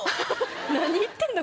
何言ってんだ？